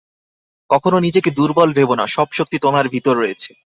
কখনও নিজেকে দুর্বল ভেব না, সব শক্তি তোমার ভিতর রয়েছে।